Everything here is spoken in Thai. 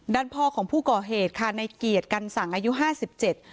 ด้านพ่อของผู้ก่อเหตุค่ะในเกียรติกันสังอายุห้าสิบเจ็ด